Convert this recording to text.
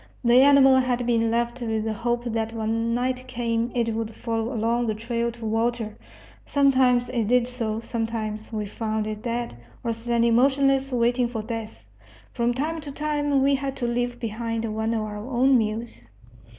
The animal had been left with the hope that when night came it would follow along the trail to water. Sometimes it did so. Sometimes we found it dead, or standing motionless waiting for death. From time to time we had to leave behind one of our own mules.